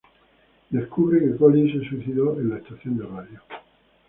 Descubre que Colin se suicidó en la estación de radio.